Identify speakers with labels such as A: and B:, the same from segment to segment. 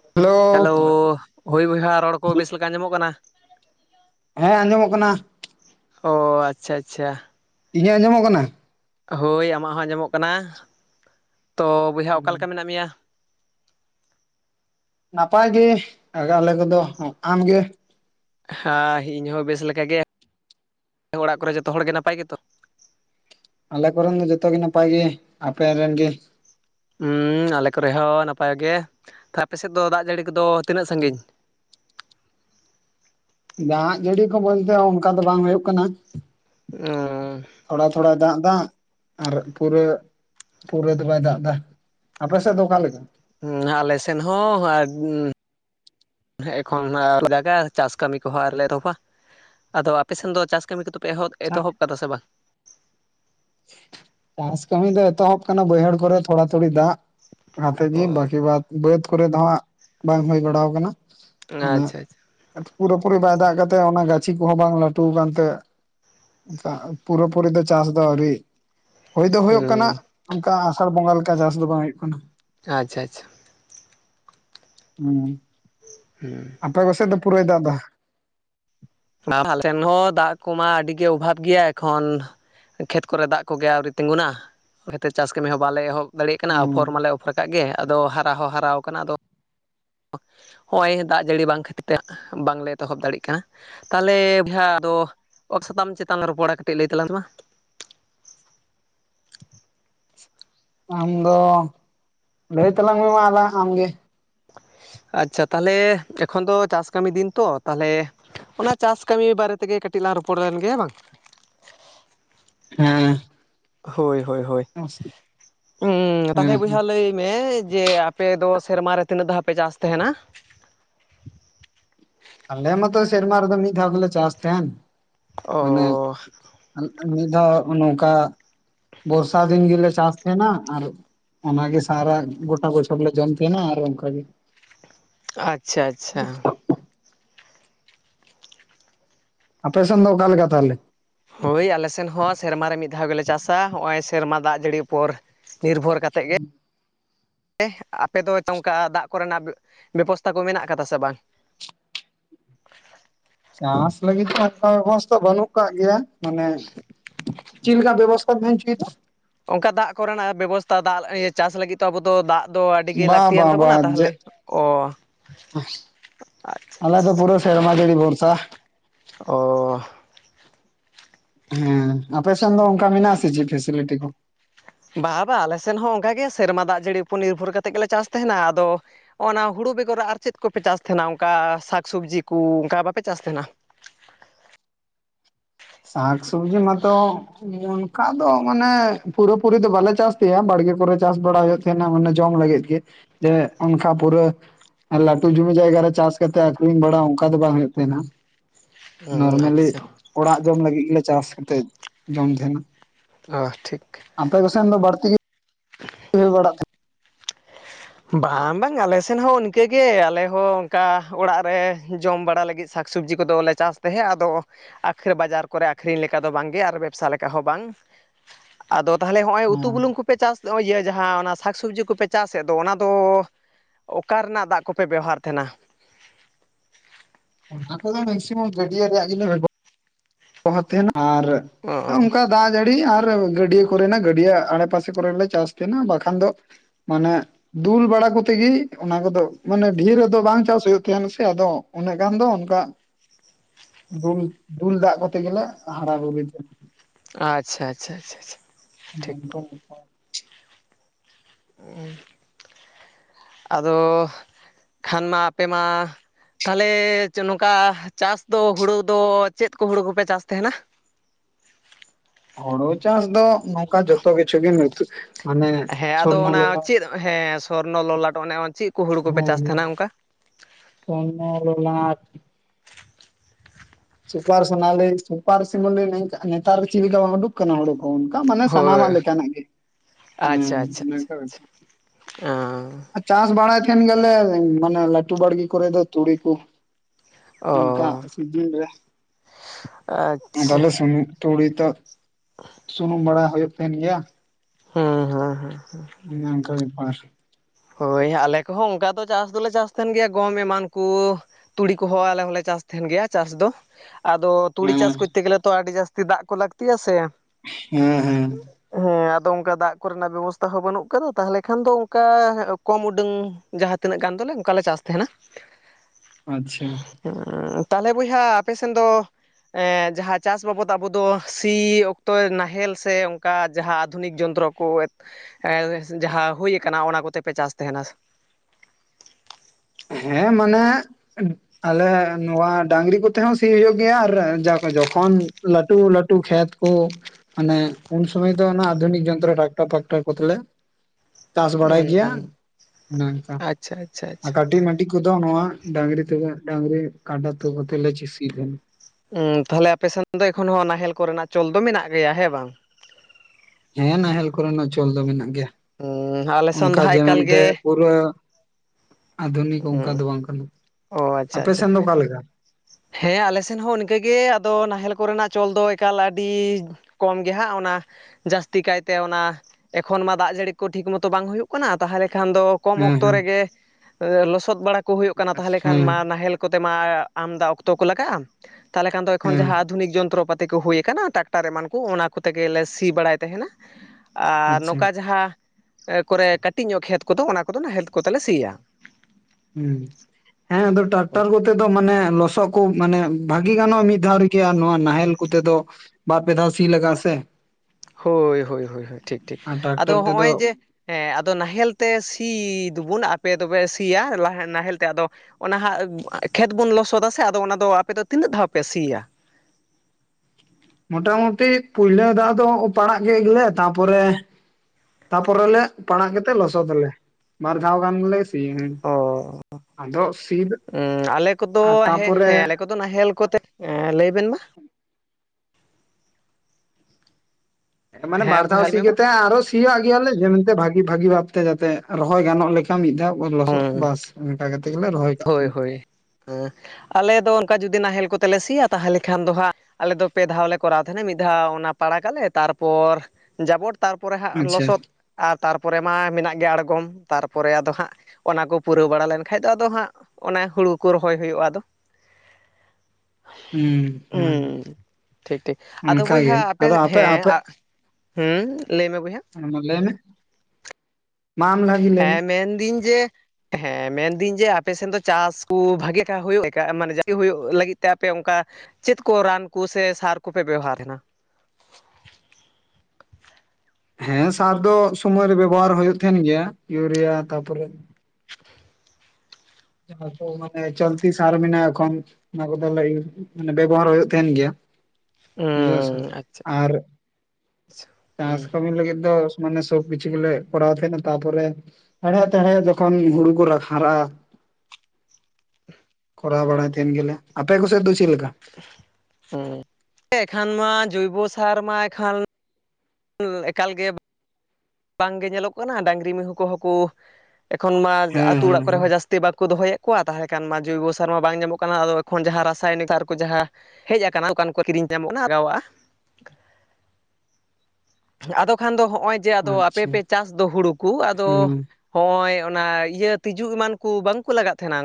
A: [inaudible] Hello. ᱦᱳᱭ ᱵᱚᱭᱦᱟ ᱨᱚᱲ ᱠᱚ ᱵᱮᱥ ᱞᱮᱠᱟ ᱟᱸᱡᱚᱢᱚᱜ ᱠᱟᱱᱟ?
B: ᱦᱮᱸ ᱟᱸᱡᱚᱢᱚᱜ ᱠᱟᱱᱟ᱾
A: ᱚᱻ ᱟᱪᱪᱷᱟ ᱟᱪᱪᱷᱟ᱾
B: ᱤᱧᱟᱹᱜ ᱟᱸᱡᱚᱢᱚᱜ ᱠᱟᱱᱟ?
A: ᱦᱳᱭ ᱟᱢᱟᱜ ᱦᱚᱸ ᱟᱸᱡᱚᱢ ᱚᱜ ᱠᱟᱱᱟ᱾ ᱛᱚ ᱵᱚᱭᱦᱟ ᱚᱠᱟ ᱞᱮᱠᱟ ᱢᱮᱱᱟᱜ ᱢᱮᱭᱟ?
B: ᱱᱟᱯᱟᱭ ᱜᱮ, ᱟᱞᱮ ᱠᱚᱫᱚ᱾ ᱟᱢᱜᱮ?
A: ᱦᱮᱸ ᱤᱧ ᱦᱚᱸ ᱵᱮᱥ ᱞᱮᱠᱟ ᱜᱮ [inaudible] ᱾ ᱚᱲᱟᱜ ᱠᱚᱨᱮ ᱡᱚᱛᱚ ᱦᱚᱲ ᱜᱮ ᱱᱟᱯᱟᱭ ᱜᱮᱛᱚ?
B: ᱟᱞᱮ ᱠᱚ ᱨᱮᱱ ᱫᱚ ᱡᱚᱛᱚ ᱜᱮ ᱱᱟᱯᱟᱭ ᱜᱮ᱾ ᱟᱯᱮ ᱨᱮᱱ ᱜᱮ?
A: ᱦᱩᱸ ᱟᱞᱮ ᱠᱚᱨᱮ ᱦᱚᱸ ᱱᱟᱯᱟᱭ ᱜᱮ᱾ ᱛᱟᱦᱚᱞᱮ ᱟᱯᱮ ᱥᱮᱫ ᱫᱚ ᱫᱟᱜ ᱡᱟᱹᱲᱤ ᱠᱚᱫᱚ ᱛᱤᱱᱟᱹᱜ ᱥᱟᱺᱜᱤᱧ?
B: ᱫᱟᱜ ᱡᱟᱹᱲᱤ ᱠᱚ ᱵᱚᱞᱛᱮ ᱚᱝᱠᱟ ᱫᱚ ᱵᱟᱝ ᱦᱳᱭᱳᱜ ᱠᱟᱱᱟ᱾
A: ᱚᱸᱻ᱾
B: ᱛᱷᱚᱲᱟ ᱛᱷᱚᱲᱟᱭ ᱫᱟᱜ ᱫᱟ, ᱟᱨ ᱯᱩᱨᱟᱹ ᱯᱩᱨᱟᱹ ᱫᱚ ᱵᱟᱭ ᱫᱟᱜ ᱫᱟ᱾ ᱟᱯᱮ ᱥᱮᱫ ᱫᱚ ᱚᱠᱟ ᱞᱮᱠᱟ?
A: ᱦᱩᱸ ᱟᱞᱮ ᱥᱮᱱ ᱦᱚᱸ [unintelligible] ᱮᱠᱷᱚᱱ ᱦᱚᱸ ᱟᱹᱣᱨᱤ ᱫᱟᱜᱟ ᱪᱟᱥ ᱠᱟᱹᱢᱤ ᱠᱚᱦᱚᱸ ᱟᱹᱣᱨᱤ ᱞᱮ ᱮᱛᱚᱦᱚᱵᱟ᱾ ᱟᱫᱚ ᱟᱯᱮ ᱥᱮᱱ ᱫᱚ ᱪᱟᱥ ᱠᱟᱹᱢᱤ ᱠᱚᱫᱚ ᱯᱮ ᱮᱦᱚᱵ ᱮᱛᱚᱦᱚᱵ ᱠᱟᱫᱟ ᱥᱮ ᱵᱟᱝ?
B: ᱪᱟᱥ ᱠᱟᱹᱢᱤ ᱫᱚ ᱮᱛᱚᱦᱚᱵ ᱠᱟᱱᱟ ᱵᱟᱹᱭᱦᱟᱹᱲ ᱠᱚᱨᱮ ᱛᱷᱚᱲᱟ ᱛᱷᱩᱲᱤ ᱫᱟᱜ
A: ᱚ
B: [unintelligible] ᱵᱟᱹᱠᱤ ᱵᱟᱫ ᱵᱟᱹᱫᱽ ᱠᱚᱨᱮ ᱫᱚ ᱦᱟᱸᱜ, ᱵᱟᱝ ᱦᱩᱭ ᱵᱟᱲᱟᱣ ᱠᱟᱱᱟ᱾ ᱢᱟᱱᱮ,
A: ᱟᱪᱪᱷᱟ ᱟᱪᱪᱷᱟ
B: ᱯᱩᱨᱟᱹ ᱯᱩᱨᱤ ᱵᱟᱭ ᱫᱟᱜ ᱠᱟᱛᱮᱫ ᱚᱱᱟ ᱜᱟᱹᱪᱷᱤ ᱠᱚᱦᱚᱸ ᱵᱟᱝ ᱞᱟᱹᱴᱩ ᱠᱟᱱ ᱛᱮ ᱚᱝᱠᱟ ᱯᱩᱨᱟᱹ ᱯᱩᱨᱤ ᱫᱚ ᱪᱟᱥ ᱫᱚ ᱟᱹᱣᱨᱤ ᱦᱳᱭ ᱫᱚ ᱦᱳᱭᱳᱜ
A: ᱦᱩᱸ
B: ᱠᱟᱱᱟ ᱚᱝᱠᱟ ᱟᱥᱟᱲ ᱵᱚᱸᱜᱟ ᱞᱮᱠᱟ ᱪᱟᱥ ᱫᱚ ᱵᱟᱝ ᱦᱳᱭᱳᱜ ᱠᱟᱱᱟ᱾
A: ᱟᱪᱪᱷᱟ ᱟᱪᱪᱷᱟ᱾
B: ᱦᱩᱸ᱾
A: ᱦᱩᱸ᱾
B: ᱟᱯᱮ ᱠᱚ ᱥᱮᱡ ᱫᱚ ᱯᱩᱨᱟᱹᱭ ᱫᱟᱜ ᱫᱟ᱾
A: ᱟᱞᱮ ᱥᱮᱱ ᱦᱚᱸ ᱫᱟᱜ ᱠᱚᱢᱟ ᱟᱹᱰᱤ ᱜᱮ ᱚᱵᱷᱟᱵ ᱜᱮᱭᱟ ᱮᱠᱷᱚᱱ, ᱠᱷᱮᱛ ᱠᱚᱨᱮ ᱫᱟᱜ ᱠᱚᱜᱮ ᱟᱹᱣᱨᱤ ᱛᱤᱸᱜᱩᱱᱟ, ᱚᱱᱟ ᱠᱷᱟᱹᱛᱤᱨ ᱪᱟᱥ ᱠᱟᱹᱢᱤ ᱦᱚᱸ ᱵᱟᱞᱮ ᱮᱦᱚᱵ ᱫᱟᱲᱮᱭᱟᱜ ᱠᱟᱱᱟ ᱟᱯᱷᱚᱨ
B: ᱦᱩᱸ
A: ᱢᱟᱞᱮ ᱟᱯᱷᱚᱨ ᱠᱟᱜ ᱜᱮ ᱟᱫᱚ ᱦᱟᱨᱟ ᱦᱚᱸ ᱦᱟᱨᱟᱣ ᱠᱟᱱᱟ ᱟᱫᱚ ᱦᱚᱸᱜᱼᱚᱭ ᱫᱟᱜ ᱡᱟᱹᱲᱤ ᱵᱟᱝ ᱠᱷᱟᱹᱛᱤᱨ ᱛᱮ ᱵᱟᱝᱞᱮ ᱮᱛᱚᱦᱚᱵ ᱫᱟᱲᱮᱜ ᱠᱟᱱᱟ ᱾ ᱛᱟᱦᱚᱞᱮ ᱵᱚᱭᱦᱟ ᱟᱫᱚ ᱚᱠᱟ ᱥᱟᱛᱟᱢ ᱪᱮᱛᱟᱱ ᱞᱟᱝ ᱨᱚᱯᱚᱲᱟ ᱠᱟᱹᱴᱤᱡ ᱞᱟᱹᱭ ᱛᱟᱞᱟᱝ ᱢᱟ?
B: ᱟᱢ ᱫᱚ, ᱞᱟᱹᱭ ᱛᱟᱞᱟᱝ ᱢᱮ ᱟᱢ ᱜᱮ᱾
A: ᱟᱪᱪᱷᱟ ᱛᱟᱦᱚᱞᱮ ᱮᱠᱷᱚᱱ ᱫᱚ ᱪᱟᱥ ᱠᱟᱹᱢᱤ ᱫᱤᱱ ᱛᱚ ᱛᱟᱦᱚᱞᱮ ᱚᱱᱟ ᱪᱟᱥ ᱠᱟᱹᱢᱤ ᱵᱟᱨᱮ ᱛᱮᱜᱮ ᱠᱟᱹᱴᱤᱡ ᱞᱟᱝ ᱨᱚᱯᱚᱲ ᱞᱮᱱ ᱜᱮ ᱦᱮᱸ ᱵᱟᱝ?
B: ᱦᱮᱸ᱾
A: ᱦᱳᱭ ᱦᱳᱭ ᱦᱳᱭ,
B: ᱦᱮᱸ
A: ᱛᱟᱦᱚᱞᱮ
B: ᱦᱮᱸ
A: ᱵᱚᱭᱦᱟ ᱞᱟᱹᱭ ᱢᱮ ᱡᱮ ᱟ ᱯᱮ ᱫᱚ ᱥᱮᱨᱢᱟ ᱨᱮ ᱛᱤᱱᱟᱹᱜ ᱫᱷᱟᱣ ᱯᱮ ᱪᱟᱥ ᱛᱟᱦᱮᱸᱱᱟ?
B: ᱟᱞᱮ ᱢᱟᱛᱚ ᱥᱮᱨᱢᱟ ᱨᱮᱫᱚ ᱢᱤᱫ ᱫᱷᱟᱣ ᱜᱮᱞᱮ ᱪᱟᱥ ᱛᱟᱦᱮᱸᱱ,
A: ᱚᱻ
B: ᱢᱟᱱᱮ ᱢᱤᱫ ᱫᱷᱟᱣ ᱱᱚᱝᱠᱟ, ᱵᱚᱨᱥᱟ ᱫᱤᱱ ᱜᱮᱞᱮ ᱪᱟᱥ ᱛᱟᱦᱮᱸᱱᱟ ᱟᱨ ᱚᱱᱟᱜᱮ ᱥᱟᱨᱟ ᱜᱚᱴᱟ ᱵᱚᱪᱷᱚᱨᱞᱮ ᱡᱚᱢ ᱛᱟᱦᱮᱸᱱᱟ ᱟᱨ ᱚᱝᱠᱟ ᱜᱮ᱾
A: ᱟᱪᱪᱷᱟ ᱟᱪᱪᱷᱟ᱾
B: ᱟᱯᱮ ᱥᱮᱱ ᱫᱚ ᱚᱠᱟ ᱞᱮᱠᱟ ᱛᱟᱦᱚᱞᱮ?
A: ᱦᱳᱭ ᱟᱞᱮ ᱥᱮᱱ ᱦᱚᱸ ᱥᱮᱨᱢᱟ ᱨᱮ ᱢᱤᱫ ᱫᱷᱟᱣ ᱜᱮᱞᱮ ᱪᱟᱥᱟ ᱦᱚᱸᱜᱼᱚᱭ ᱥᱮᱨᱢᱟ ᱫᱟᱜ ᱡᱟᱹᱲᱤ ᱩᱯᱚᱨ ᱱᱤᱨᱵᱷᱚᱨ ᱠᱟᱛᱮᱜ ᱜᱮ, ᱮ, ᱟᱯᱮ ᱫᱚ ᱦᱚᱭᱛᱚ ᱚᱝᱠᱟ ᱫᱟᱜ ᱠᱚ ᱨᱮᱱᱟᱜ ᱵᱮᱵᱚᱥᱛᱷᱟ ᱠᱚ ᱢᱮᱱᱟᱜ ᱟᱠᱟᱫᱟ ᱥᱮ ᱵᱟᱝ?
B: ᱪᱟᱥ ᱞᱟᱹᱜᱤᱫ ᱫᱚ ᱚᱝᱠᱟ ᱵᱮᱵᱚᱥᱛᱷᱟ ᱵᱟᱹᱱᱩᱜ ᱠᱟᱜ ᱜᱮᱭᱟ ᱢᱟᱱᱮ, ᱪᱮᱫ ᱞᱮᱠᱟ ᱵᱮᱵᱚᱥ ᱛᱟ ᱢᱮᱱ ᱦᱚᱪᱚᱭᱫᱟ?
A: ᱚᱱᱠᱟ ᱫᱟᱜ ᱠᱚᱨᱮᱱᱟᱜ ᱵᱮᱵᱚᱥᱛᱷᱟ ᱫᱟᱜ ᱤᱭᱟᱹ ᱪᱟᱥ ᱞᱟᱹᱜᱤᱫ ᱛᱚ ᱟᱵᱚ ᱫᱚ ᱫᱟᱜ ᱫᱚ ᱟᱹᱰᱤ ᱜᱮ
B: ᱵᱟᱝ
A: ᱞᱟᱹᱠᱛᱤᱭᱟᱱ
B: ᱵᱟᱝ
A: ᱛᱟᱵᱚᱱᱟ
B: ᱵᱟᱝ ᱡᱮ
A: ᱛᱟᱦᱚᱞᱮ, ᱚ᱾ ᱟᱪᱪᱷᱟ
B: ᱟᱞᱮ ᱫᱚ
A: ᱟᱪᱪᱷᱟ
B: ᱯᱩᱨᱟᱹ ᱥᱮᱨᱢᱟ ᱡᱟᱹᱲᱤ ᱵᱷᱚᱨᱥᱟ᱾
A: ᱚ᱾
B: ᱦᱮᱸ ᱟᱯᱮ ᱥᱮᱱ ᱫᱚ ᱚᱱᱠᱟ ᱢᱮᱱᱟᱜ-ᱟ ᱥᱮ ᱪᱮᱫ ᱯᱷᱮᱥᱮᱞᱤᱴᱤ ᱠᱚ?
A: ᱵᱟ ᱵᱟ ᱟᱞᱮ ᱥᱮᱱ ᱦᱚᱸ ᱚᱱᱠᱟ ᱜᱮ ᱥᱮᱨᱢᱟ ᱫᱟᱜ ᱡᱟᱹᱲᱤ ᱩᱯᱚᱨ ᱱᱤᱨᱵᱷᱚᱨ ᱠᱟᱛᱮᱫ ᱜᱮᱞᱮ ᱪᱟᱥ ᱛᱟᱦᱮᱱᱟ ᱟᱫᱚ ᱚᱱᱟ ᱦᱩᱲᱩ ᱵᱮᱜᱚᱨ ᱟᱨ ᱪᱮᱫ ᱠᱚᱯᱮ ᱪᱟᱥ ᱛᱟᱦᱮᱱᱟ ᱚᱱᱠᱟ ᱥᱟᱠ ᱥᱚᱵᱽᱡᱤ ᱠᱚ ᱚᱱᱠᱟ ᱵᱟᱯᱮ ᱪᱟᱥ ᱛᱟᱦᱮᱱᱟ?
B: ᱥᱟᱠ ᱥᱚᱵᱽᱡᱤ ᱢᱟᱛᱚ ᱚᱱᱠᱟ ᱫᱚ ᱢᱟᱱᱮ ᱯᱩᱨᱟᱹ ᱯᱩᱨᱤ ᱫᱚ ᱵᱟᱞᱮ ᱪᱟᱥ ᱜᱮᱭᱟ ᱵᱟᱲᱜᱮ ᱠᱚᱨᱮ ᱪᱟᱥ ᱵᱟᱲᱟ ᱦᱩᱭᱩᱜ ᱛᱟᱦᱮᱱᱟ ᱢᱟᱱᱮ ᱡᱚᱢ ᱞᱟᱹᱜᱤᱫ ᱜᱮ, ᱡᱮ ᱚᱱᱠᱟ ᱯᱩᱨᱟᱹ ᱞᱟᱹᱴᱩ ᱡᱚᱢᱤ ᱡᱟᱭᱜᱟ ᱨᱮ ᱪᱟᱥ ᱠᱟᱛᱮ ᱟᱠᱷᱨᱤᱧ ᱵᱟᱲᱟ ᱚᱱᱠᱟ ᱫᱚ ᱵᱟᱝ ᱦᱩᱭᱩᱜ ᱛᱟᱦᱮᱸᱱᱟ᱾
A: ᱦᱩᱸ
B: ᱱᱚᱨᱢᱮᱞᱤ
A: ᱟᱪᱪᱷᱟ
B: ᱚᱲᱟᱜ ᱡᱚᱢ ᱞᱟᱹᱜᱤᱜ ᱜᱮᱞᱮ ᱪᱟᱥ ᱠᱟᱛᱮᱫ ᱡᱚᱢ ᱛᱟᱦᱮᱱᱟ᱾
A: [inaudible] ᱴᱷᱤᱠ᱾
B: ᱟᱯᱮ ᱠᱚ ᱥᱮᱱ ᱫᱚ ᱵᱟᱹᱲᱛᱤ ᱜᱮ [inaudible] ᱵᱟᱲᱟᱜ [inaudible]
A: ᱵᱟᱝ ᱵᱟᱝ ᱟᱞᱮ ᱥᱮᱱ ᱦᱚᱸ ᱤᱱᱠᱟᱹ ᱜᱮ ᱟᱞᱮ ᱦᱚᱸ ᱚᱱᱠᱟ ᱚᱲᱟᱜ ᱨᱮ ᱡᱚᱢ ᱵᱟᱲᱟ ᱞᱟᱹᱜᱤᱫ ᱥᱟᱠ ᱥᱚᱵᱽᱡᱤ ᱠᱚᱫᱚᱞᱮ ᱪᱟᱥ ᱛᱟᱦᱮᱸᱜ ᱟᱫᱚ ᱟᱠᱨᱤ ᱵᱟᱡᱟᱨ ᱠᱚᱨᱮ ᱟᱠᱷᱨᱤᱧ ᱞᱮᱠᱟ ᱫᱚ ᱵᱟᱝᱜᱮ ᱟᱨ ᱵᱮᱵᱽᱥᱟ ᱞᱮᱠᱟ ᱦᱚᱸ ᱵᱟᱝ᱾ ᱟᱫᱚ ᱛᱟᱦᱚᱞᱮ ᱦᱚᱸᱜᱼᱚᱭ ᱩᱛᱩ
B: ᱛᱟᱦᱮᱸᱱᱟ ᱦᱮᱸ
A: ᱵᱩᱞᱩᱝ ᱠᱚᱯᱮ ᱪᱟᱥ ᱚ ᱤᱭᱟᱹ ᱡᱟᱦᱟᱸ ᱚᱱᱟ ᱥᱟᱠ ᱥᱚᱵᱽᱡᱤ ᱠᱚᱯᱮ ᱪᱟᱥᱮᱫ ᱫᱚ ᱚᱱᱟ ᱫᱚ ᱚᱠᱟ ᱨᱮᱱᱟᱜ ᱫᱟᱜ ᱠᱚᱯᱮ ᱵᱮᱣᱦᱟᱨ ᱛᱟᱦᱮᱱᱟ?
B: ᱚᱱᱟ ᱠᱚᱫᱚ ᱢᱮᱯᱥᱤᱢᱟᱢ ᱜᱟᱹᱰᱤᱭᱟ ᱨᱮᱭᱟᱜ ᱜᱮᱞᱮ ᱵᱮᱵᱚ [inaudible] ᱛᱟᱦᱮᱱᱟ ᱟᱨ
A: ᱚ ᱚ ᱚ᱾
B: ᱚᱱᱠᱟ ᱫᱟᱜ ᱡᱟᱹᱲᱤ ᱟᱨ ᱜᱟᱹᱰᱤᱭᱟᱹ ᱠᱚᱨᱮᱱᱟᱜ ᱜᱟᱹᱰᱤᱭᱟᱹ ᱟᱲᱮ ᱯᱟᱥᱮ ᱠᱚᱨᱮᱞᱮ ᱪᱟᱥ ᱛᱟᱦᱮᱱᱟ ᱵᱟᱠᱷᱟᱱ ᱫᱚ ᱢᱟᱱᱮ ᱫᱩᱞ ᱵᱟᱲᱟ ᱠᱚᱛᱮᱜᱮ ᱚᱱᱟ ᱠᱚᱫᱚ ᱢᱟᱱᱮ ᱰᱷᱮᱨ ᱫᱚ ᱵᱟᱝ ᱪᱟᱥ ᱦᱩᱭᱩᱜ ᱛᱟᱦᱮᱱᱟ ᱥᱮ ᱟᱫᱚ ᱩᱱᱟᱹᱜ ᱜᱟᱱ ᱫᱚ ᱚᱱᱠᱟ ᱫᱩᱞ ᱫᱩᱞ ᱫᱟᱜ ᱠᱚᱛᱮ ᱜᱮᱞᱮ ᱦᱟᱨᱟ ᱵᱩᱨᱩᱭ ᱛᱟᱦᱮᱱ᱾
A: ᱟᱪᱪᱷᱟ ᱟᱪᱪᱷᱟ ᱟᱪᱪᱷᱟ ᱟᱪᱪᱷᱟ᱾
B: ᱚᱱᱮ
A: ᱴᱷᱤᱠ
B: ᱚᱱᱠᱟ ᱵᱮᱞᱟᱨ᱾
A: ᱟᱫᱚ ᱠᱷᱟᱱ ᱢᱟ ᱟᱯᱮ ᱢᱟ ᱛᱟᱦᱚᱞᱮ ᱱᱚᱝᱠᱟ ᱪᱟᱥ ᱫᱚ ᱦᱩᱲᱩ ᱫᱚ ᱪᱮᱫ ᱠᱚ ᱦᱩᱲᱩ ᱠᱚᱯᱮ ᱪᱟᱥ ᱛᱟᱦᱮᱱᱟ?
B: ᱦᱳᱲᱳ ᱪᱟᱥ ᱫᱚ ᱱᱚᱝᱠᱟ ᱡᱷᱚᱛᱚ ᱠᱤᱪᱷᱩ ᱜᱮ [inaudible]
A: ᱦᱮᱸ ᱟᱫᱚ
B: ᱥᱚᱨᱱᱚ
A: ᱚᱱᱟ
B: ᱞᱚᱞᱟᱴ
A: ᱪᱮᱫ ᱦᱮᱸ ᱥᱚᱨᱱᱚ, ᱞᱚᱞᱟᱴ ᱚᱱᱮ ᱚ ᱪᱮᱫ ᱠᱚ ᱦᱩᱲᱩ ᱠᱚᱯᱮ
B: ᱦᱮᱸ
A: ᱪᱟᱥ
B: ᱦᱮᱸ
A: ᱛᱟᱦᱮᱱᱟ ᱚᱱᱠᱟ?
B: ᱥᱚᱨᱱᱚ, ᱞᱚᱞᱟᱴ, ᱥᱩᱯᱟᱨ ᱥᱚᱱᱟᱞᱤ ᱥᱩᱯᱟᱨ [inaudible] ᱱᱮᱛᱟᱨ ᱪᱮᱫ ᱞᱮᱠᱟ ᱵᱟᱝ ᱩᱰᱩᱠ ᱟᱠᱟᱱᱟ ᱦᱳᱲᱳ ᱠᱚ᱾ ᱚᱱᱠᱟ ᱢᱟᱱᱮ
A: ᱦᱳᱭ
B: ᱥᱟᱱᱟᱢᱟᱜ ᱞᱮᱠᱟᱱᱟᱜ ᱜᱮ, ᱦᱮᱸ ᱚᱱᱮ ᱚᱱᱠᱟ [inaudible]
A: ᱚ᱾
B: ᱪᱟᱥ ᱵᱟᱲᱟᱭ ᱛᱟᱦᱮᱱ ᱜᱮᱭᱟ ᱞᱮ ᱢᱟᱱᱮ ᱞᱟᱹᱴᱩ ᱵᱟᱲᱜᱮ ᱠᱚᱨᱮ ᱫᱚ ᱛᱩᱲᱤ ᱠᱚ᱾ ᱚᱱᱠᱟ
A: ᱚ
B: ᱥᱤᱡᱤᱱ ᱨᱮ,
A: ᱟᱪᱪᱷᱟ
B: [inaudible] ᱥᱩᱱᱩᱢ ᱵᱟᱲᱟ ᱦᱳᱭᱳᱜ ᱛᱟᱸᱦᱮᱱ ᱜᱮᱭᱟ᱾
A: ᱦᱩᱸ ᱦᱩᱸ ᱦᱩᱸ ᱦᱩᱸ᱾
B: ᱚᱱᱮ ᱚᱱᱠᱟ ᱵᱮᱯᱟᱨ᱾
A: ᱦᱳᱭ ᱦᱟᱸᱜ ᱟᱞᱮ ᱠᱚᱦᱚᱸ ᱚᱱᱠᱟ ᱫᱚ ᱪᱟᱥ ᱫᱚᱞᱮ ᱪᱟᱥ ᱛᱟᱦᱮᱱ ᱜᱮᱭᱟ ᱜᱚᱢ ᱮᱢᱟᱱ ᱠᱚ᱾ ᱛᱩᱲᱤ ᱠᱚᱦᱚᱸ ᱟᱞᱮ ᱦᱚᱸ ᱞᱮ ᱪᱟᱥ ᱛᱟᱦᱮᱱ ᱜᱮᱭᱟ ᱪᱟᱥ ᱫᱚ᱾ ᱟᱫᱚ ᱛᱩᱲᱤ ᱪᱟᱥ
B: ᱦᱮᱸ
A: ᱠᱚᱛᱛᱮ ᱜᱮᱞᱮ ᱛᱚ ᱟᱹᱰᱤ ᱡᱟᱹᱥᱛᱤ ᱫᱟᱜ ᱠᱚ ᱞᱟᱹᱠᱛᱤ-ᱟ ᱥᱮ᱾
B: ᱦᱮᱸ ᱦᱮᱸ᱾
A: ᱦᱮᱸ ᱟᱫᱚ ᱚᱝᱠᱟ ᱫᱟᱜ ᱠᱚᱨᱮᱱᱟᱜ ᱵᱮᱵᱚᱥᱛᱟ ᱦᱚᱸ ᱵᱟᱹᱱᱩᱜ ᱠᱟᱫᱟ ᱛᱟᱦᱚᱞᱮ ᱠᱷᱟᱱ ᱫᱚ ᱚᱱᱠᱟ ᱦᱟᱸᱜ ᱠᱚᱢ ᱩᱰᱟᱹᱝ ᱡᱟᱦᱟᱸ ᱛᱤᱱᱟᱹᱜ ᱜᱟᱱ ᱫᱚᱞᱮ ᱚᱱᱠᱟᱞᱮ ᱪᱟᱥ ᱛᱟᱸᱦᱮᱱᱟ,
B: ᱟᱪᱪᱷᱟ᱾
A: ᱩᱸ ᱛᱟᱞᱦᱮ ᱵᱚᱭᱦᱟ ᱟᱯᱮ ᱥᱮᱱ ᱫᱚ ᱮᱸ ᱡᱟᱦᱟᱸ ᱪᱟᱥ ᱵᱟᱵᱚᱫ ᱟᱵᱚ ᱫᱚ ᱥᱤ ᱚᱠᱛᱚ ᱱᱟᱦᱮᱞ ᱥᱮ ᱚᱱᱠᱟ ᱡᱟᱦᱟᱸ ᱟᱫᱷᱩᱱᱤᱠ ᱡᱚᱱᱛᱨᱚ ᱠᱚᱣᱮᱛ ᱡᱟᱦᱟᱸ ᱦᱩᱭ ᱠᱟᱱᱟ ᱚᱱᱟ ᱠᱚᱛᱮ ᱯᱮ ᱪᱟᱥ ᱛᱟᱸᱦᱮᱱᱟ?
B: ᱦᱮᱸ ᱢᱟᱱᱮᱜ ᱩᱸᱜ ᱟᱞᱮ ᱱᱚᱶᱟ ᱰᱟᱝᱨᱤ ᱠᱚᱛᱮ ᱦᱚᱸ ᱥᱤ ᱦᱳᱭᱳᱜ ᱜᱮᱭᱟ ᱟᱨ ᱡᱟ ᱡᱚᱠᱷᱚᱱ ᱞᱟᱹᱴᱩ ᱞᱟᱹᱴᱩ ᱠᱷᱮᱛ ᱠᱚ ᱢᱟᱱᱮ ᱩᱱ ᱥᱩᱢᱟᱹᱭ ᱫᱚ ᱚᱱᱟ ᱟᱫᱷᱩᱱᱤᱠ ᱡᱚᱱᱛᱨᱚ ᱴᱟᱠᱴᱟᱨ ᱯᱷᱟᱠᱴᱟᱨ ᱠᱚᱛᱮ ᱞᱮ
A: [inaudible] ᱟᱪᱪᱷᱟ ᱟᱪᱪᱷᱟ ᱟᱪᱷᱟ᱾
B: ᱠᱟᱹᱰᱤ ᱢᱟᱹᱰᱤ ᱠᱚᱫᱚ ᱱᱚᱣᱟ ᱰᱟᱝᱨᱤ ᱛᱮᱜᱮ ᱰᱟᱝᱨᱤ ᱠᱟᱸᱰᱟ ᱛᱮ ᱜᱚᱛᱮᱞᱮ ᱪᱤ ᱥᱤ ᱠᱚᱣᱟ᱾
A: ᱩᱸ ᱛᱟᱦᱚᱞᱮ ᱟᱯᱮ ᱥᱮᱱ ᱫᱚ ᱮᱠᱷᱚᱱ ᱦᱚᱸ ᱱᱟᱦᱮᱞ ᱠᱚᱨᱮᱱᱟᱜ ᱪᱚᱞ ᱫᱚ ᱢᱮᱱᱟᱜ ᱜᱮᱭᱟ ᱦᱮᱸ ᱵᱟᱝ?
B: ᱦᱮᱸ ᱱᱟᱦᱮᱞ ᱠᱚᱨᱮᱱᱟᱜ ᱪᱚᱞ ᱫᱚ ᱢᱮᱱᱟᱜ ᱜᱮᱭᱟ,
A: ᱦᱩᱸ ᱟᱞᱮ ᱥᱮᱱ ᱫᱚ
B: ᱚᱱᱠᱟ
A: ᱦᱟᱸᱜ
B: ᱡᱮ
A: ᱮᱠᱟᱞ
B: ᱢᱮᱱᱛᱮ
A: ᱜᱮ
B: ᱯᱩᱨᱟᱹ ᱟᱫᱷᱩᱱᱤᱠ ᱚᱱᱠᱟ
A: ᱦᱩᱸ
B: ᱫᱚ ᱵᱟᱝ ᱠᱟᱱᱟ
A: ᱚ ᱟᱪᱪᱷᱟ
B: ᱟᱯᱮ
A: ᱟᱪᱪᱷᱟ
B: ᱥᱮᱱ ᱫᱚ ᱚᱠᱟ ᱞᱮᱠᱟ?
A: ᱦᱮᱸ ᱟᱞᱮ ᱥᱮᱫ ᱦᱚᱸ ᱤᱱᱠᱟᱹᱜᱮ ᱟᱫᱚ ᱱᱟᱦᱮᱞ ᱠᱚᱨᱮᱱᱟᱜ ᱪᱚᱞ ᱫᱚ ᱮᱠᱟᱞ ᱟᱹᱰᱤ ᱠᱚᱢ ᱜᱮ ᱦᱟᱸᱜ ᱚᱱᱟ ᱡᱟᱹᱥᱛᱤ ᱠᱟᱭᱛᱮ ᱚᱱᱟ ᱮᱠᱷᱚᱱ ᱢᱟ ᱫᱟᱜ ᱡᱟᱹᱲᱤ ᱠᱚ ᱴᱷᱤᱠ ᱢᱚᱛᱚ ᱵᱟᱝ ᱦᱩᱭᱩᱜ ᱠᱟᱱᱟ ᱛᱟᱦᱚᱞᱮ ᱠᱷᱟᱱ ᱫᱚ ᱠᱚᱢ
B: ᱦᱮᱸ
A: ᱚᱠᱛᱚ
B: ᱦᱮᱸ
A: ᱨᱮᱜᱮ ᱞᱚᱥᱚᱫ ᱵᱟᱲᱟ ᱠᱚ ᱦᱩᱭᱩᱜ ᱠᱟᱱᱟ ᱛᱟᱦᱚᱞᱮ ᱠᱷᱟᱱ
B: ᱦᱮᱸ
A: ᱢᱟ ᱱᱟᱦᱮᱞ ᱠᱚᱛᱮ ᱢᱟ ᱟᱢᱫᱟ ᱚᱠᱛᱚ ᱠᱚ ᱞᱟᱜᱟᱜ-ᱟ, ᱛᱟᱞᱦᱮ ᱠᱷᱟᱱ ᱮᱠᱷᱚᱱ
B: ᱦᱮᱸ
A: ᱡᱟᱦᱟᱸ ᱟᱫᱷᱩᱱᱤᱠ ᱡᱚᱱᱛᱨᱚ ᱯᱟ ᱛᱮᱠᱚ ᱦᱩᱭ ᱠᱟᱱᱟ ᱴᱟᱠᱴᱟᱨ ᱮᱢᱟᱱ ᱠᱚ ᱚᱱᱟ ᱠᱚᱛᱮ ᱜᱮᱞᱮ ᱥᱤ ᱵᱟᱲᱟᱭ ᱛᱟᱸᱦᱮᱱᱟ᱾ ᱟᱨ
B: ᱟᱪᱪᱷᱟ
A: ᱱᱚᱝᱟ ᱡᱟᱦᱟᱸ ᱠᱚᱨᱮ ᱠᱟᱹᱴᱤᱡ ᱧᱚᱜ ᱠᱷᱮᱛ ᱠᱚᱫᱚ ᱚᱱᱟ ᱠᱚᱫᱚ ᱱᱟᱦᱮᱞ ᱠᱚᱛᱮ ᱞᱮ ᱥᱤᱭᱟ᱾
B: ᱦᱩᱸ ᱦᱮᱸ ᱟᱫᱚ
A: ᱚ
B: ᱴᱟᱠᱴᱟᱨ ᱠᱚᱛᱮ ᱫᱚ ᱢᱟᱱᱮ ᱞᱚᱥᱚᱜ ᱠᱳᱢ ᱢᱟᱱᱮ ᱵᱷᱟᱹᱜᱤ ᱜᱟᱱᱚᱜᱼᱟ ᱢᱤᱫ ᱫᱷᱟᱣ ᱨᱤᱜᱮ ᱱᱚᱣᱟ ᱱᱟᱦᱮᱞ ᱠᱚᱛᱮ ᱫᱚ ᱵᱟᱨ ᱯᱮ ᱫᱷᱟᱣ ᱥᱤ ᱞᱟᱜᱟᱜᱼᱟ ᱥᱮ?
A: ᱦᱳᱭ ᱦᱳᱭ ᱦᱳᱭ ᱴᱷᱤᱠ ᱴᱷᱤᱠ
B: ᱟᱨ
A: ᱟᱫᱚ
B: ᱴᱨᱟᱠᱴᱟᱨ ᱛᱮᱫᱚ
A: ᱦᱚᱸᱜᱼᱚᱭ ᱡᱮ ᱦᱮᱸ ᱟᱫᱚ ᱱᱟᱦᱮᱞ ᱛᱮ ᱥᱤ ᱫᱚᱵᱩᱱ ᱟᱯᱮ ᱫᱚᱯᱮ ᱥᱤᱭᱟ ᱞᱟᱦ ᱱᱟᱦᱮᱞ ᱛᱮ ᱟᱫᱚ ᱚᱱᱟᱦᱟᱸᱜ ᱠᱷᱮᱛ ᱵᱚᱱ ᱞᱚᱥᱚᱫ ᱫᱟ ᱥᱮ ᱟᱫᱚ ᱚᱱᱟ ᱫᱚ ᱟᱯᱮ ᱫᱚ ᱛᱤᱱᱟᱹᱜ ᱫᱷᱟᱣ ᱯᱮ ᱥᱤᱭᱟ?
B: ᱢᱚᱴᱟ ᱢᱩᱴᱤ ᱯᱩᱭᱞᱟᱹ ᱫᱟᱣ ᱫᱚ ᱯᱟᱲᱟᱜ ᱠᱮᱫ ᱜᱮᱞᱮ ᱛᱟᱯᱚᱨᱮ ᱛᱟᱯᱚᱨᱮᱞᱮ ᱯᱟᱲᱟᱜ ᱠᱟᱛᱮ ᱞᱚᱥᱚᱫ ᱟᱞᱮ ᱵᱟᱨ ᱫᱷᱟᱣ ᱜᱟᱱ ᱞᱮ
A: ᱚ
B: [inaudible] ᱟᱫᱚ ᱥᱤ ᱫᱚ ᱟ ᱛᱟᱯᱚᱨᱮ
A: ᱟᱫᱚ ᱱᱟᱦᱮᱞ ᱠᱚᱛᱮ ᱮᱸ ᱞᱟᱹᱭ ᱵᱤᱱ ᱢᱟ᱾
B: ᱢᱟᱱᱮ ᱵᱟᱨ
A: ᱦᱮᱸ
B: ᱫᱷᱟᱣ
A: ᱵᱚᱭᱦᱟ ᱞᱟᱹᱭ
B: ᱥᱤ
A: ᱢᱮ ᱢᱟ
B: ᱠᱟᱛᱮᱜ ᱟᱨᱚ ᱥᱤᱭᱟᱜ ᱜᱮᱭᱟᱞᱮ ᱡᱮ ᱢᱮᱱᱛᱮ ᱵᱷᱟᱹᱜᱤ ᱵᱷᱟᱹᱜᱤ ᱵᱷᱟᱵᱛᱮ ᱡᱟᱛᱮ ᱨᱚᱦᱚᱭ ᱜᱟᱱᱚᱜ ᱠᱟ ᱢᱤᱫ ᱫᱷᱟᱣ ᱠᱚ ᱞᱚᱥᱚ ᱵᱟᱥ ᱚᱱᱠᱟ ᱠᱟᱛᱮ ᱜᱮᱞᱮ ᱨᱚᱦᱚᱭ ᱠᱟᱜ
A: ᱦᱳᱭ
B: ᱛᱟᱦᱮᱱᱟ
A: ᱦᱳᱭ ᱦᱮᱸ ᱟᱞᱮ ᱫᱚ ᱚᱱᱠᱟ ᱡᱩᱫᱤ ᱱᱟᱦᱮᱞ ᱠᱚᱛᱮ ᱞᱮ ᱥᱤᱭᱟ ᱛᱟᱦᱞᱮ ᱠᱷᱟᱱ ᱫᱚ ᱦᱟᱸᱜ ᱟᱞᱮ ᱫᱚ ᱯᱮ ᱫᱷᱟᱣ ᱞᱮ ᱠᱚᱨᱟᱣ ᱛᱟᱸᱦᱮᱱ ᱢᱤᱫ ᱫᱷᱟᱣ ᱚᱱᱟ ᱯᱟᱲᱟᱜ ᱟᱞᱮ ᱛᱟᱨᱯᱚᱨ ᱡᱟᱵᱚᱴ ᱛᱟᱨᱯᱚᱨᱮ ᱦᱟᱸᱜ
B: ᱟᱪᱪᱷᱟ
A: ᱞᱚᱥᱚᱫ ᱟᱨ ᱛᱟᱨᱯᱚᱨᱮ ᱢᱟ ᱢᱮᱱᱟᱜ ᱜᱮ ᱟᱬᱜᱚᱢ ᱛᱟᱨᱯᱚᱨᱮ ᱟᱫᱚ ᱦᱟᱸᱜ ᱚᱱᱟ ᱠᱚ ᱯᱩᱨᱟᱹᱣ ᱵᱟᱲᱟ ᱞᱮᱱᱠᱟᱱᱡ ᱫᱚ ᱟᱫᱚ ᱦᱟᱸᱜ ᱚᱱᱮ ᱦᱩᱲᱩ ᱠᱚ ᱨᱚᱦᱚᱭ ᱦᱩᱭᱩᱜᱼᱟ ᱟᱫᱚ᱾
B: ᱦᱩᱸ ᱦᱮᱸ
A: ᱩᱸ ᱴᱷᱤᱠ ᱴᱷᱤᱠ ᱟᱫᱚ
B: ᱚᱱᱠᱟᱜᱮ
A: ᱵᱚᱭᱦᱟ ᱟᱯᱮ
B: ᱟᱫᱚ
A: ᱦᱮᱸ
B: ᱟᱯᱮ
A: ᱟ ᱦᱩᱸ ᱞᱟ. ᱭ ᱢᱮ ᱵᱳᱭᱦᱟ᱾
B: ᱦᱩᱸᱢ ᱞᱟ. ᱭ ᱢᱮ ᱢᱟ ᱟᱢ ᱞᱟ
A: ᱦᱮᱸ ᱢᱮᱱᱫᱤᱧ ᱡᱮ ᱦᱮᱸ ᱢᱮᱱᱫᱟᱹᱧ ᱡᱮ ᱟᱯᱮᱥᱮᱱ ᱫᱚ ᱪᱟᱥ ᱠᱚ ᱵᱷᱟᱜᱮ ᱠᱟ ᱦᱩᱭᱩᱜ ᱢᱟᱱᱮ ᱡᱟᱜᱮ ᱦᱩᱭᱩᱜ ᱞᱟᱹᱜᱤᱫ ᱛᱮ ᱟᱯᱮ ᱚᱱᱠᱟ ᱪᱮᱫ ᱠᱚ ᱨᱟᱱ ᱠᱚ ᱥᱮ ᱥᱟᱨ ᱠᱚᱯᱮ ᱵᱮᱣᱦᱟᱨ ᱱᱟ?
B: ᱦᱮᱸ ᱥᱟᱨ ᱫᱚ ᱥᱚᱢᱚᱭ ᱨᱮ ᱵᱮᱵᱚᱦᱟᱨ ᱦᱩᱭᱩᱜ ᱛᱟᱦᱮᱱ ᱜᱮᱭᱟ᱾ ᱤᱭᱩᱨᱤᱭᱟ ᱛᱟᱯᱚᱨᱮ ᱡᱟᱦᱟ ᱠᱚ ᱢᱟᱱᱮ ᱪᱟᱞᱛᱤ ᱥᱟᱨ ᱢᱮᱱᱟᱜ-ᱟ ᱮᱠᱷᱚᱱ᱾ ᱚᱱᱟ ᱠᱚᱫᱚ ᱞᱮ ᱢᱟᱱᱮ ᱵᱮᱵᱚᱦᱟᱨ ᱦᱩᱭᱩᱜ ᱛᱟᱦᱮᱱ ᱜᱮᱭᱟ
A: ᱦᱩᱸ
B: ᱵᱩᱡᱷᱟᱹᱣ ᱥᱮ
A: ᱟᱪᱪᱷᱟ
B: ᱟᱨ
A: ᱟᱪᱪᱷᱟ
B: ᱪᱟᱥ
A: ᱦᱩᱸ
B: ᱠᱟᱹᱢᱤ ᱞᱟᱹᱜᱤᱫ ᱫᱚ ᱢᱟᱱᱮ ᱥᱚᱵ ᱠᱤᱪᱷᱩ ᱜᱮᱞᱮ ᱠᱚᱨᱟᱣ ᱛᱟᱦᱮᱸᱱᱟ ᱛᱟᱨᱯᱚᱨᱮ ᱦᱮᱬᱦᱮᱫ ᱛᱮᱬᱦᱮᱫ ᱡᱚᱠᱷᱚᱱ ᱦᱩᱲᱩ ᱠᱩ ᱦᱟᱨᱟᱜ-ᱟ᱾ ᱠᱚᱨᱟᱣ ᱵᱟᱲᱟᱭ ᱛᱟᱦᱮᱱ ᱜᱮᱞᱮ᱾ ᱟᱯᱮ ᱠᱚ ᱥᱮᱫ ᱫᱚ ᱪᱮᱫ ᱞᱮᱠᱟ?
A: ᱦᱩᱸ᱾ ᱮᱠᱷᱟᱱ ᱢᱟ ᱡᱚᱭᱵᱳ ᱥᱟᱨ ᱢᱟ ᱮᱠᱷᱟᱱ ᱮᱠᱟᱞ ᱮᱠᱟᱞᱜᱮ ᱵᱟᱝᱜᱮ ᱧᱮᱞᱚᱜ ᱠᱟᱱᱟ ᱰᱟᱝᱨᱤ ᱢᱤᱦᱩᱸ ᱠᱚᱦᱚᱸ ᱠᱚ ᱮᱠᱷᱚᱱ ᱢᱟ ᱟᱹᱛᱩ ᱚᱲᱟᱜ ᱠᱚᱨᱮ ᱦᱚᱸ
B: ᱦᱮᱸ ᱦᱮᱸ
A: ᱡᱟᱹᱥᱛᱤ ᱵᱟᱠᱚ ᱫᱚᱦᱚᱭᱮᱫ ᱠᱚᱣᱟ ᱛᱟᱦᱚᱞᱮ ᱠᱷᱟᱱ ᱢᱟ ᱡᱳᱣᱵᱳ ᱥᱟᱨ ᱢᱟ ᱵᱟᱝ ᱧᱟᱢᱚᱜ ᱠᱟᱱᱟ ᱟᱫᱚ ᱠᱷᱚᱱ ᱡᱟᱦᱟᱸ ᱨᱟᱥᱟᱭᱚᱱᱤᱠ ᱥᱟᱨ ᱠᱚ ᱡᱟᱦᱟᱸ ᱦᱮᱡ ᱟᱠᱟᱱᱟ ᱚᱱᱠᱟᱱ ᱠᱚ ᱠᱤᱨᱤᱧᱛᱮ ᱧᱟᱢᱚᱜ ᱠᱟᱱᱟ ᱟᱨ ᱞᱟᱜᱟᱣᱟᱜᱼᱟ᱾
B: [inaudible]
A: ᱟᱫᱚ ᱠᱷᱟᱱ ᱫᱚ ᱦᱚᱸᱜᱼᱚᱭ ᱡᱮ ᱟᱫᱚ
B: ᱦᱮᱸ
A: ᱟᱯᱮ
B: ᱟᱪᱪᱷᱟ
A: ᱯᱮ ᱪᱟᱥ ᱫᱚ ᱦᱩᱲᱩ ᱠᱚ᱾ ᱟᱫᱚ
B: ᱦᱮᱸ
A: ᱦᱚᱸᱜᱼᱚᱭ ᱚᱱᱟ ᱤᱭᱟᱹ ᱛᱤᱡᱩ ᱮᱢᱟᱱ ᱠᱚ ᱵᱟᱝᱠᱚ ᱞᱟᱜᱟᱜ ᱛᱟᱦᱮᱱᱟ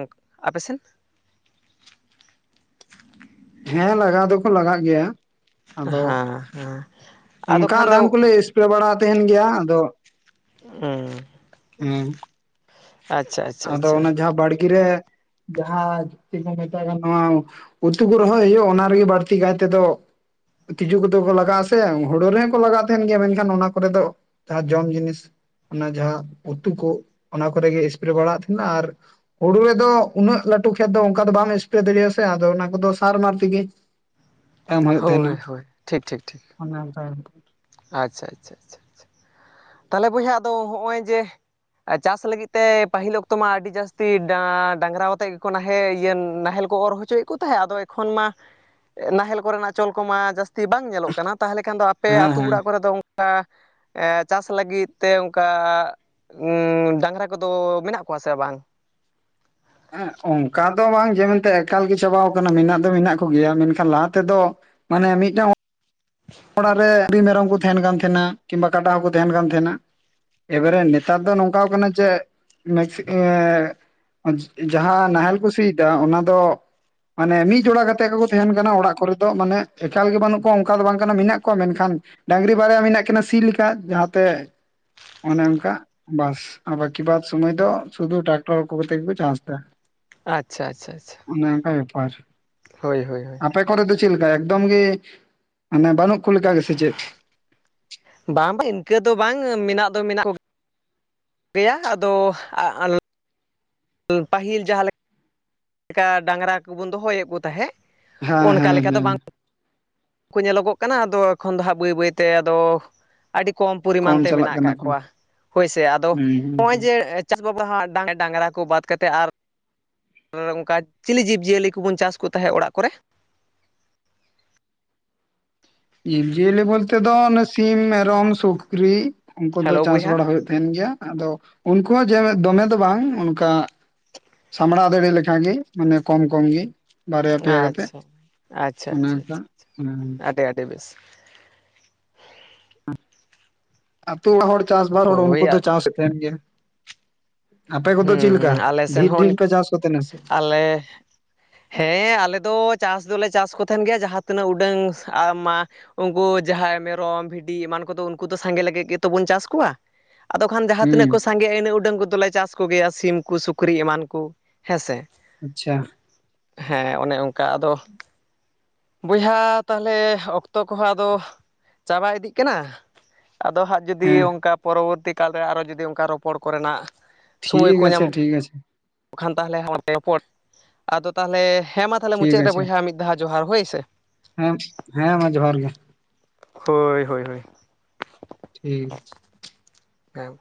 A: ᱟᱯᱮᱥᱮᱱ?
B: ᱦᱮᱸ ᱞᱟᱜᱟᱣ ᱫᱚᱠᱚ ᱞᱟᱜᱟᱜ ᱜᱮᱭᱟ᱾ ᱟᱫᱚ
A: ᱦᱮᱸ ᱦᱮᱸ ᱟᱫᱚ
B: ᱚᱱᱠᱟ
A: ᱠᱷᱟᱱ
B: ᱨᱟᱱ
A: ᱫᱚ
B: ᱠᱚᱞᱮ ᱮᱥ ᱯᱲᱮ ᱵᱟᱲᱟ ᱛᱟᱦᱮᱱ ᱜᱮᱭᱟ ᱟᱫᱚ
A: ᱩᱸ
B: ᱦᱮᱸ
A: ᱟᱪᱪᱷᱟ ᱟᱪᱪᱷᱟ᱾
B: ᱟᱫᱚ
A: ᱟᱪᱪᱷᱟ
B: ᱚᱱᱟ ᱡᱟᱦᱟᱸ ᱵᱟᱲᱜᱤ ᱨᱮ ᱡᱟᱦᱟᱸ ᱪᱤᱜ ᱠᱚ ᱢᱮᱛᱟᱜᱟ ᱱᱚᱣᱟ ᱩᱛᱩ ᱠᱚ ᱨᱚᱦᱚᱭ ᱦᱩᱭᱩᱜ-ᱟ ᱚᱱᱟ ᱨᱮᱜᱮ ᱵᱟᱹᱲᱛᱤ ᱠᱟᱭ ᱛᱮᱫᱚ ᱛᱤᱡᱩ ᱠᱚᱫᱚ ᱠᱚ ᱞᱟᱜᱟᱜ-ᱟ ᱥᱮ᱾ ᱦᱩᱲᱳ ᱨᱮᱦᱚᱸ ᱠᱚ ᱞᱟᱜᱟᱜ ᱛᱟᱦᱮᱱ ᱜᱮᱭᱟ ᱢᱮᱱᱠᱷᱟᱱ ᱚᱱᱟ ᱠᱚᱨᱮ ᱫᱚ ᱡᱟᱦᱟᱸ ᱡᱚᱢ ᱡᱤᱱᱤᱥ ᱚᱱᱟ ᱡᱟᱦᱟᱸ ᱩᱛᱩ ᱠᱚ ᱚᱱᱟ ᱠᱚᱨᱮᱜᱮ ᱥᱯᱨᱮ ᱵᱟᱲᱟᱣᱟᱜ ᱛᱟᱦᱮᱱᱟ ᱟᱨ ᱦᱩᱲᱩ ᱨᱮᱫᱚ ᱩᱱᱟᱹᱜ ᱞᱟᱹᱴᱩ ᱠᱷᱮᱛ ᱫᱚ ᱚᱱᱠᱟ ᱫᱚ ᱵᱟᱢ ᱮᱥᱯᱨᱮ ᱫᱟᱲᱮᱭᱟᱜ-ᱟ ᱥᱮ ᱟᱫᱚ ᱚᱱᱟ ᱠᱚᱫᱚ ᱥᱟᱨᱢᱟᱨ ᱛᱮᱜᱮ ᱮᱢ ᱦᱩᱭᱩᱜ ᱛᱟᱦᱮᱱᱟ᱾
A: ᱦᱳᱭ ᱦᱳᱭ ᱴᱷᱤᱠ ᱴᱷᱤᱠ ᱴᱷᱤᱠ
B: ᱚᱱᱟ ᱛᱟᱭᱚᱢ
A: ᱟᱪᱪᱷᱟ ᱟᱪᱪᱷᱟ ᱟᱪᱪᱷᱟ᱾ ᱛᱟᱦᱚᱞᱮ ᱵᱚᱭᱦᱟ ᱟᱫᱚ ᱦᱚᱜᱼᱚᱭ ᱡᱮ ᱪᱟᱥ ᱞᱟᱹᱜᱤᱫ ᱛᱮ ᱯᱟᱹᱦᱤᱞ ᱚᱠᱛᱚ ᱢᱟ ᱟᱹᱰᱤ ᱡᱟᱹᱥᱛᱤ ᱵᱟ-ᱰᱟᱺᱝᱨᱟ ᱠᱟᱛᱮᱫ ᱜᱮᱠᱚ ᱱᱟᱦᱮ ᱤᱭᱟᱹ ᱱᱟᱦᱮᱞ᱾ ᱠᱚ ᱚᱨ ᱦᱚᱪᱚᱭᱮᱫ ᱠᱚ ᱛᱟᱦᱮᱸᱫ, ᱟᱫᱚ ᱮᱠᱷᱚᱱ ᱢᱟ ᱱᱟᱦᱮᱞ ᱠᱚᱨᱮᱱᱟᱜ ᱪᱚᱞ ᱠᱚᱢᱟ ᱡᱟᱹᱥ ᱛᱤ ᱵᱟᱝ ᱧᱮᱞᱚᱜ ᱠᱟᱱᱟ᱾ ᱛᱟᱦᱚᱞᱮ ᱠᱷᱟᱱ ᱫᱚ ᱟᱯᱮ ᱟᱛᱩ
B: ᱦᱮᱸ
A: ᱚᱲᱟᱜ ᱠᱚᱨᱮ ᱫᱚ ᱚᱱᱠᱟ ᱮᱸᱫ ᱪᱟᱥ ᱞᱟᱹᱜᱤᱫ ᱛᱮ ᱚᱱᱠᱟ ᱩᱸ ᱰᱟᱝᱨᱟ ᱠᱚᱫᱚ ᱢᱮᱱᱟᱜ ᱠᱚᱣᱟ ᱥᱮ ᱵᱟᱝ?
B: ᱦᱮᱸ ᱚᱱᱠᱟ ᱫᱚ ᱵᱟᱝ ᱡᱮ ᱢᱮᱱᱛᱮ ᱮᱠᱟᱞ ᱜᱮ ᱪᱟᱵᱟᱣ ᱠᱟᱱᱟ᱾ ᱢᱮᱱᱟᱜ ᱫᱚ ᱢᱮᱱᱟᱜ ᱠᱚᱜᱮᱭᱟ, ᱢᱮᱱᱠᱷᱟᱱ ᱞᱟᱦᱟ ᱛᱮᱫᱚ ᱢᱟᱱᱮ ᱢᱤᱫᱴᱟᱝ
A: [inaudible]
B: ᱚᱲᱟᱜ ᱨᱮ [inaudible] ᱨᱤ ᱢᱮᱨᱚᱢ ᱠᱚ ᱛᱟᱦᱮᱱ ᱠᱟᱱ ᱛᱟᱦᱮᱱᱟ ᱠᱤᱢᱵᱟ ᱠᱟᱰᱟ ᱦᱚᱸᱠᱚ ᱛᱟᱦᱮᱱ ᱠᱟᱱ ᱛᱟᱦᱮᱱᱟ᱾ ᱮᱵᱟᱨᱮ ᱱᱮᱛᱟᱨ ᱫᱚ ᱱᱚᱝᱠᱟᱣ ᱠᱟᱱᱟ ᱡᱮ ᱢᱮᱠᱥᱤ ᱮᱸ ᱡᱟᱦᱟᱸ ᱱᱟᱦᱮᱞ ᱠᱚ ᱥᱤᱭᱮᱫᱟ ᱚᱱᱟ ᱫᱚ ᱢᱟᱱᱮ ᱢᱤᱫ ᱡᱚᱲᱟ ᱠᱟᱛᱮᱜ ᱜᱮᱠᱚ ᱛᱟᱦᱮᱱ ᱠᱟᱱᱟ ᱚᱲᱟᱜ ᱠᱚᱨᱮ ᱫᱚ ᱢᱟᱱᱮ ᱮᱠᱟᱞ ᱜᱮ ᱵᱟᱹᱱᱩᱜ ᱠᱚᱣᱟ ᱚᱱᱠᱟ ᱫᱚ ᱵᱟᱝ᱾ ᱠᱟᱱᱟ ᱢᱮᱱᱟᱜ ᱠᱚᱣᱟ ᱢᱮᱱᱠᱷᱟᱱ ᱰᱟᱺᱟᱝᱨᱤ ᱵᱟᱨᱭᱟ ᱢᱮᱱᱟᱜ ᱠᱤᱱᱟ ᱥᱤ ᱞᱮᱠᱟ ᱡᱟᱦᱟᱸᱛᱮ ᱚᱱᱮ ᱚᱱᱠᱟ ᱵᱟᱥ ᱟᱨ ᱵᱟᱠᱤ ᱵᱟᱫ ᱥᱩᱢᱟᱹᱭ ᱫᱚ ᱥᱩᱫᱷᱩ ᱴᱨᱟᱠᱴᱚᱨ ᱠᱚ ᱠᱟᱛᱮᱜ ᱜᱮᱠᱚ ᱪᱟᱥ ᱫᱟ᱾
A: ᱟᱪᱪᱷᱟ ᱟᱪᱪᱷᱟ ᱟᱪᱪᱷᱟ᱾
B: ᱚᱱᱮ ᱚᱝᱠᱟ ᱵᱮᱯᱟᱨ᱾
A: ᱦᱳᱭ ᱦᱳᱭ ᱦᱳᱭ᱾
B: ᱟᱯᱮ ᱠᱚᱨᱮ ᱫᱚ ᱪᱮᱜ ᱞᱮᱠᱟ ᱮᱠᱫᱚᱢ ᱜᱮ ᱢᱟᱱᱮ ᱵᱟᱹᱱᱩᱜ ᱠᱚ ᱞᱮᱠᱟ ᱜᱮ ᱥᱮ ᱪᱮᱫ?
A: ᱵᱟᱝ ᱵᱟᱝ ᱤᱱᱠᱟᱹ ᱫᱚ ᱵᱟᱝ ᱢᱮᱱᱟᱜ ᱫᱚ ᱢᱮᱱᱟᱜ ᱜᱮᱭᱟ ᱟᱫᱚ ᱟ ᱟᱞ ᱯᱟᱹᱦᱤᱞ ᱡᱟᱦᱟᱸ ᱞᱮᱠᱟ ᱰᱟᱝᱨᱟ ᱠᱩᱵᱚᱱ ᱫᱚᱦᱚᱭᱮᱜ ᱠᱚ ᱛᱟᱦᱮᱜ᱾
B: ᱦᱮᱸ ᱦᱮᱸ ᱦᱮᱸ᱾
A: ᱠᱚ ᱧᱮᱞᱚᱜᱚᱜ ᱠᱟᱱᱟ ᱟᱫᱚ ᱮᱠᱷᱚᱱ ᱫᱚ ᱦᱟᱸᱜ ᱵᱟᱹᱭ ᱵᱟᱹᱭᱛᱮ ᱟᱫᱚ ᱟᱰᱤ ᱠᱚᱢ ᱯᱚᱨᱤᱢᱟᱱ ᱛᱮ
B: ᱪᱟᱞᱟᱜ
A: ᱢᱮᱱᱟᱜ
B: ᱠᱟᱱᱟ
A: ᱠᱟᱜ
B: ᱠᱚ
A: ᱠᱚᱣᱟ ᱦᱳᱭᱥᱮ ᱟᱫᱚ
B: ᱦᱩᱸ ᱦᱩᱸ
A: ᱦᱚᱜ-ᱚᱭ
B: ᱦᱩᱸ
A: ᱡᱮ ᱪᱟᱥ ᱫᱚ ᱦᱟᱸᱜ ᱰᱟ ᱰᱟᱝᱨᱟ ᱠᱚ ᱵᱟᱫ ᱠᱟᱛᱮᱫ ᱟᱨ ᱟᱨ ᱚᱱᱠᱟ ᱪᱤᱞᱤ ᱡᱤᱵᱽᱼᱡᱤᱭᱟᱹᱞᱤ ᱠᱚᱵᱚᱱ ᱪᱟᱥ ᱠᱚ ᱛᱟᱦᱮᱸᱫ ᱚᱲᱟᱜ ᱠᱚᱨᱮ?
B: ᱡᱤᱵᱽᱼᱡᱤᱭᱟᱞᱤ ᱵᱚᱞᱛᱮ ᱫᱚ ᱥᱤᱢ ᱚᱱᱮ ᱢᱮᱨᱚᱢ ᱥᱩᱠᱨᱤ᱾ ᱩᱱᱠᱩ ᱫᱚ
A: ᱦᱮᱞᱳ
B: ᱪᱟᱥ
A: ᱵᱚᱭᱦᱟ
B: ᱵᱟᱲᱟ ᱦᱳᱭᱳᱜ ᱛᱟᱦᱮᱱ ᱜᱮᱭᱟ ᱟᱫᱚ ᱩᱱᱠᱩ ᱦᱚᱸ ᱡᱮ ᱫᱚᱢᱮ ᱫᱚ ᱵᱟᱝ ᱚᱱᱠᱟ ᱥᱟᱢᱲᱟᱣ ᱫᱟᱲᱮ ᱞᱮᱠᱟ ᱜᱤ ᱢᱟᱱᱮ ᱠᱚᱢ ᱠᱚᱢ ᱜᱮ᱾ ᱵᱟᱨᱭᱟ ᱯᱮᱭᱟ ᱠᱟᱛᱮᱜ
A: ᱟᱪᱪᱷᱟ
B: ᱚᱱᱮ ᱚᱱᱠᱟ ᱦᱮᱸ᱾
A: ᱟᱰᱤ ᱟᱰᱤ ᱵᱮᱥ᱾
B: ᱟᱹᱛᱩ ᱚᱲᱟᱜ ᱦᱚᱲ ᱪᱟᱥᱵᱟᱨ ᱦᱚᱲ
A: ᱦᱳᱭ
B: ᱩᱱᱠᱩ ᱫᱚ ᱪᱟᱥ ᱮ ᱛᱟᱦᱮᱱ ᱜᱮ᱾
A: ᱦᱩᱸ ᱦᱩᱸ, ᱟᱞᱮ ᱥᱮᱱ
B: ᱰᱷᱮᱨ ᱰᱷᱮᱨ
A: ᱦᱚᱸ
B: ᱯᱮ ᱪᱟᱥ ᱠᱚ ᱛᱟᱦᱮᱱᱟ ᱥᱮ
A: ᱟᱞᱮ ᱦᱮᱸ ᱟᱞᱮ ᱫᱚ ᱪᱟᱥ ᱫᱚᱞᱮ ᱪᱟᱥ ᱠᱚ ᱛᱟᱦᱮᱱ ᱜᱮᱭᱟ ᱡᱟᱦᱟᱸ ᱛᱤᱱᱟᱹᱜ ᱩᱰᱟᱹᱝ ᱟ ᱢᱟ ᱩᱱᱠᱩ ᱡᱟᱦᱟᱸᱭ ᱢᱮᱨᱚᱢ ᱵᱷᱤᱰᱤ ᱮᱢᱟᱱ ᱠᱚᱫᱚ ᱩᱱᱠᱩ ᱫᱚ ᱥᱟᱸᱜᱮ ᱞᱟᱹᱜᱤᱫ ᱜᱮᱛᱚ ᱵᱚᱱ ᱪᱟᱥ ᱠᱚᱣᱟ᱾ ᱟᱫᱚ ᱠᱷᱟᱱ ᱡᱟᱦᱟᱸ ᱛᱤᱱᱟᱹᱜ
B: ᱦᱩᱸ
A: ᱠᱚ ᱥᱟᱸᱜᱮᱟ ᱤᱱᱟᱹᱜ ᱩᱰᱟᱹᱝ ᱠᱚᱫᱚᱞᱮ ᱪᱟᱥ ᱠᱚᱜᱮᱭᱟ ᱥᱤᱢ ᱠᱩ ᱥᱩᱠᱨᱤ ᱮᱢᱟᱱ ᱠᱩ᱾ ᱦᱮᱸᱥᱮ,
B: ᱟᱪᱪᱷᱟ
A: ᱦᱮᱸ ᱚᱱᱮ ᱚᱱᱠᱟ ᱟᱫᱚ ᱵᱚᱭᱦᱟ ᱛᱟᱦᱚᱞᱮ ᱚᱠᱛᱚ ᱠᱚᱦᱚᱸ ᱟᱫᱚ ᱪᱟᱵᱟ ᱤᱫᱤᱜ ᱠᱟᱱᱟ᱾ ᱟᱫᱚ ᱦᱟᱸᱜ ᱡᱩᱫᱤ
B: ᱦᱮᱸ
A: ᱚᱱᱠᱟ ᱯᱚᱨᱚᱵᱚᱨᱛᱤ ᱠᱟᱞᱨᱮ ᱟᱨᱚ ᱡᱩᱫᱤ ᱚᱱᱠᱟ ᱨᱚᱯᱚᱲ ᱠᱚᱨᱮᱱᱟᱜ ᱥᱚᱢᱚᱭ
B: ᱴᱷᱤᱠ
A: ᱠᱚ
B: ᱟᱪᱷᱮ
A: ᱧᱟᱢᱚᱜ
B: ᱴᱷᱤᱠ ᱟᱪᱷᱮ᱾
A: ᱠᱷᱟᱱ ᱛᱟᱦᱚᱞᱮ [unintelligible] ᱨᱚᱯᱚᱲ ᱟᱫᱚ ᱛᱟᱦᱚᱞᱮ ᱦᱮᱸ ᱢᱟ ᱛᱟᱦᱚᱞᱮ
B: ᱴᱷᱤᱠ
A: ᱢᱩᱪᱟᱹᱫ ᱨᱮ
B: ᱟᱪᱷᱮ
A: ᱵᱚᱭᱦᱟ ᱢᱤᱫ ᱫᱷᱟᱣ ᱡᱚᱦᱟᱨ ᱦᱳᱭ ᱥᱮ᱾
B: ᱦᱮᱸ, ᱦᱮᱸ ᱢᱟ ᱡᱚᱦᱟᱨ ᱜᱮ᱾
A: ᱦᱳᱭ ᱦᱳᱭ ᱦᱳᱭ᱾
B: ᱴᱷᱤᱠ ᱟᱪᱷᱮ᱾
A: ᱦᱮᱸ᱾